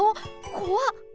こわっ！